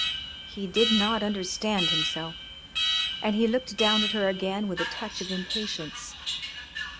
He did not understand himself, and he looked down at her again with a touch of impatience.